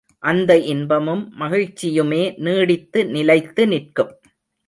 அந்த இன்பமும் மகிழ்ச்சியுமே நீடித்து நிலைத்து நிற்கும்.